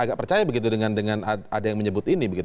agak percaya begitu dengan ada yang menyebut ini